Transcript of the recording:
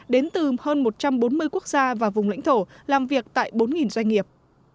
đến từ hơn một trăm bốn mươi quốc gia và vùng lãnh thổ làm việc tại bốn doanh nghiệp